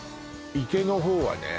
池のほうはね